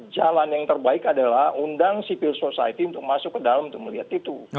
jalan yang terbaik adalah undang civil society untuk masuk ke dalam untuk melihat itu